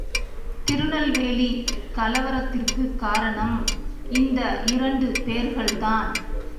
திருநெல்வேலி கலவரத்திற்குக் காரணம் இந்த இரண்டு பேர்கள்தான்.